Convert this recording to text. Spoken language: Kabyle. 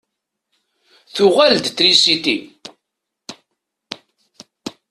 Tuɣal-d trisiti.